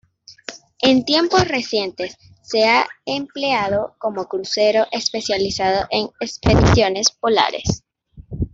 En tiempos recientes, se ha empleado como crucero especializado en expediciones polares.